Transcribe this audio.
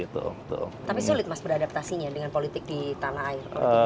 tapi sulit mas beradaptasinya dengan politik di tanah air